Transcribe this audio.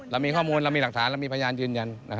แล้วมีหัวมูลและหลักฐานและพยานยืนยัน